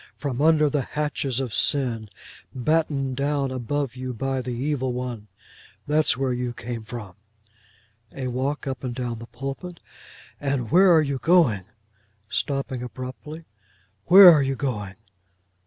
From under the hatches of sin, battened down above you by the evil one. That's where you came from!'—a walk up and down the pulpit: 'and where are you going'—stopping abruptly: 'where are you going?